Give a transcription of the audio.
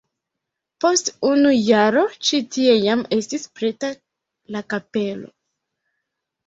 Post unu jaro ĉi tie jam estis preta la kapelo.